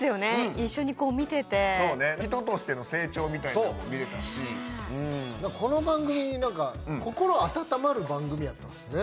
一緒に見てて人としての成長みたいなんも見れたしうんこの番組心温まる番組やったんですね